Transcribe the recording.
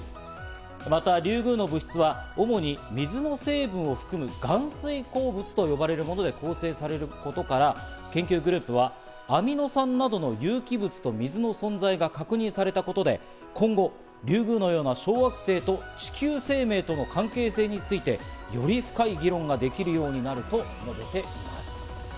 またリュウグウの物質は主に水の成分を含む含水鉱物と呼ばれるもので構成されることから、研究グループはアミノ酸などの有機物と水の存在が確認されたことで今後、リュウグウのような小惑星と地球生命との関係性についてより深い議論ができるようになると述べています。